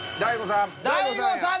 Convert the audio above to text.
大悟さん。